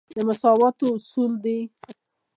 د مساواتو اصول دی.